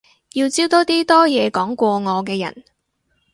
要招多啲多嘢講過我嘅人